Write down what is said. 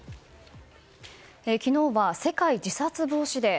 昨日は、世界自殺予防デー。